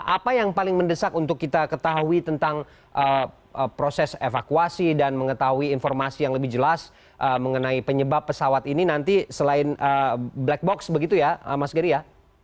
apa yang paling mendesak untuk kita ketahui tentang proses evakuasi dan mengetahui informasi yang lebih jelas mengenai penyebab pesawat ini nanti selain black box begitu ya mas gery ya